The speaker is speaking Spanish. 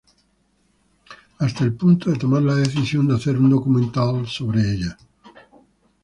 Hasta el punto de tomar la decisión de hacer un documental sobre ella.